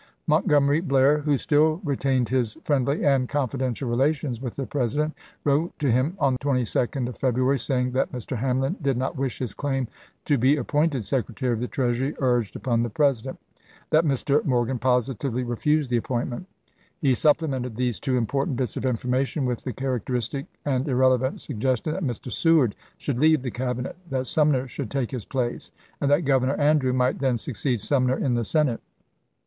Montgomery Blair, who still retained his friendly and confiden tial relations with the President, wrote to him on the 22d of February, saying that Mr. Hamlin did not wish his claim to be appointed Secretary of the Treasury urged upon the President ; that Mr. Morgan positively refused the appointment. He supplemented these two important bits of informa tion with the characteristic and irrelevant sugges tion that Mr. Seward should leave the Cabinet, that Sumner should take his place, and that Governor Andrew might then succeed Sumner in the Senate.